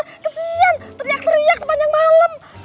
kesian teriak teriak sepanjang malam